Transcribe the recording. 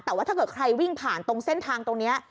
แต่ว่าถ้าเกิดใครวิ่งผ่านตรงเส้นทางตรงนี้